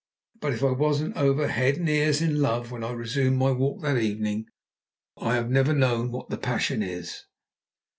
But if I wasn't over head and ears in love when I resumed my walk that evening, well, I've never known what the passion is.